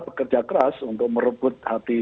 bekerja keras untuk merebut hati